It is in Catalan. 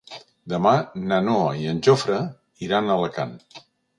Demà na Noa i en Jofre iran a Alacant.